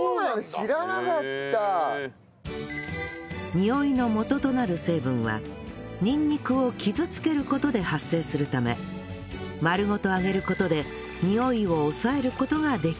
においのもととなる成分はにんにくを傷つける事で発生するため丸ごと揚げる事でにおいを抑える事ができるんだそう